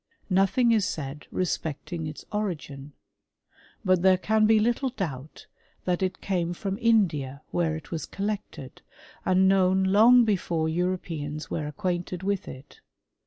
Nothing is said respecting ita origin ; but there can be little doubt that it cam6 from India, where it was collected, and known loitg before Europeans were acquainted with it.